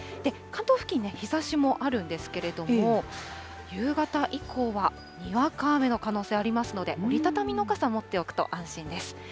関東付近、日ざしもあるんですけれども、夕方以降はにわか雨の可能性がありますので、折り畳みの傘、持っておくと安心です。